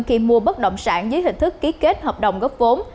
khi mua bất động sản dưới hình thức ký kết hợp đồng góp vốn